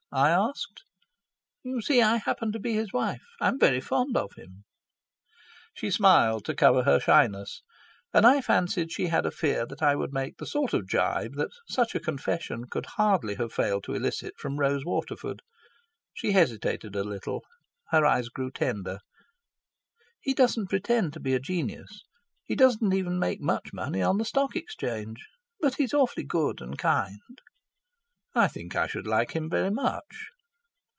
I asked. "You see, I happen to be his wife. I'm very fond of him." She smiled to cover her shyness, and I fancied she had a fear that I would make the sort of gibe that such a confession could hardly have failed to elicit from Rose Waterford. She hesitated a little. Her eyes grew tender. "He doesn't pretend to be a genius. He doesn't even make much money on the Stock Exchange. But he's awfully good and kind." "I think I should like him very much."